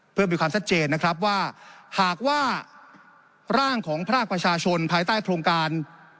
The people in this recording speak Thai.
เพื่อมีความชัดเจนนะครับว่าหากว่าร่างของภาคประชาชนภายใต้โครงการ